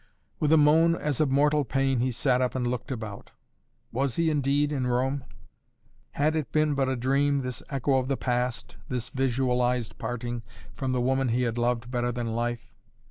With a moan as of mortal pain he sat up and looked about. Was he indeed in Rome? Had it been but a dream, this echo of the past, this visualized parting from the woman he had loved better than life?